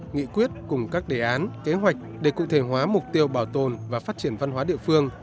nghị quyết cùng các đề án kế hoạch để cụ thể hóa mục tiêu bảo tồn và phát triển văn hóa địa phương